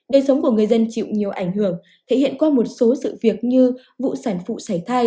đời sống của người dân chịu nhiều ảnh hưởng thể hiện qua một số sự việc như vụ sản phụ xảy thai